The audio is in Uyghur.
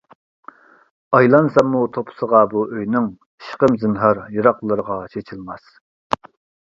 ئايلانساممۇ تۇپىسىغا بۇ ئۆينىڭ، ئىشقىم زىنھار يىراقلارغا چېچىلماس.